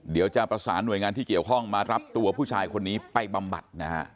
เดี๋ยวจะประสานหน่วยงานที่เกี่ยวข้องมารับตัวผู้ชายคนนี้ไปบำบัดนะฮะ